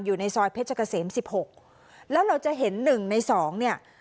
อยู่ในซอยเพชรเกษมสิบหกแล้วเราจะเห็นหนึ่งในสองเนี่ย